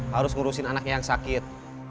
harus ngurusin anaknya yang sakit